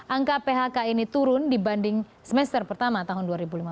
angka phk ini turun dibanding semester pertama tahun dua ribu lima belas